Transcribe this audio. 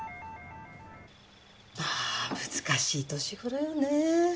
まあ難しい年頃よね。